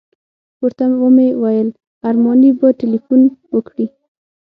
ورته ومې ویل ارماني به تیلفون وکړي.